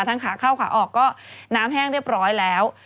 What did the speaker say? ขาเข้าขาออกก็น้ำแห้งเรียบร้อยแล้ว